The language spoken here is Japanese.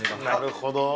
なるほど。